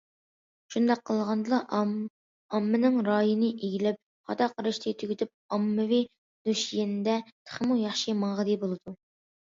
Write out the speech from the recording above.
شۇنداق قىلغاندىلا ئاممىنىڭ رايىنى ئىگىلەپ، خاتا قاراشنى تۈگىتىپ، ئاممىۋى لۇشيەندە تېخىمۇ ياخشى ماڭغىلى بولىدۇ.